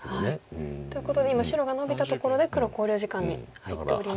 ということで今白がノビたところで黒考慮時間に入っております。